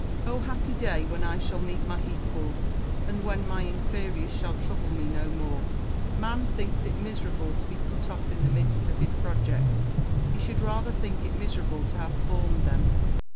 Oh happy day, when I shall meet my equals, and when my inferiors shall trouble me no more ! Man thinks it miserable to be cut oflf in the midst of his projects : he should rather think it miserable to have formed them.